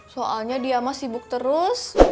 soalnya dia masih sibuk terus